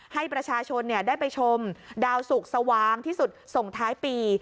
ให้ประชาชนได้ไปชมดาวสุกสว่างที่สุดส่งท้ายปี